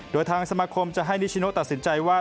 โดยทางสมาคมจะให้นิชโนตัดสินใจว่า